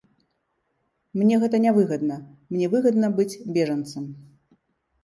Мне гэта нявыгадна, мне выгадна быць бежанцам!